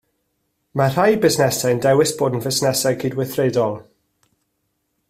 Mae rhai busnesau'n dewis bod yn fusnesau cydweithredol